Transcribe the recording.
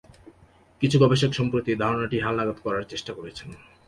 কিছু গবেষক সম্প্রতি ধারণাটি হালনাগাদ করার চেষ্টা করেছেন।